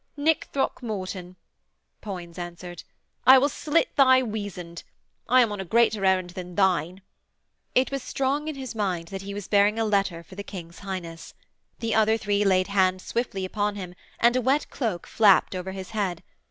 'Nick Throckmorton,' Poins answered, 'I will slit thy weazand! I am on a greater errand than thine.' It was strong in his mind that he was bearing a letter for the King's Highness. The other three laid hands swiftly upon him, and a wet cloak flapped over his head.